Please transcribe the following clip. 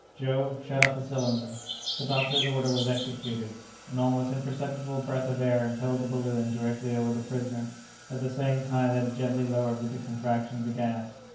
"Joe, shut off the cylinder!" The doctor's order was executed. An almost imperceptible breath of air impelled the balloon directly over the prisoner, at the same time that it gently lowered with the contraction of the gas.